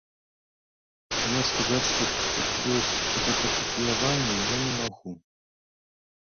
Але сказаць, што тут ёсць гэта капіяванне я не магу.